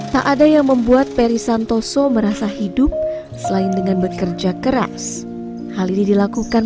tak ada yang membuat perry santoso merasa hidup selain dengan bekerja keras hal ini dilakukan